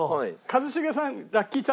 一茂さん。